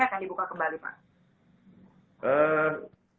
akan dibuka kembali pak